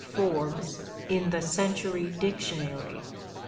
Forbes in the Century Dictionary).